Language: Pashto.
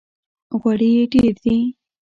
غوړي یې ډېر دي!